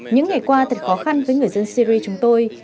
những ngày qua thật khó khăn với người dân syri chúng tôi